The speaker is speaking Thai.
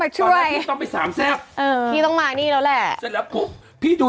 จริงพี่ไม่ได้